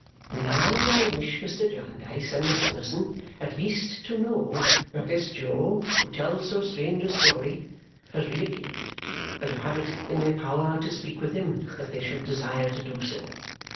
"Now, I wish Mr. Jarndyce and Miss Summerson at least to know that this Jo, who tells so strange a story, has reappeared, and to have it in their power to speak with him if they should desire to do so.